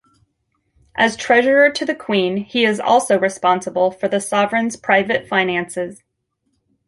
As Treasurer to the Queen, he is also responsible for the Sovereign's private finances.